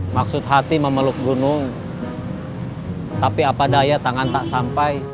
maksud hati memeluk gunung tapi apadaya tangan tak sampai